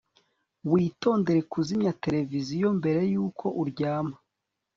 witondere kuzimya televiziyo mbere yuko uryama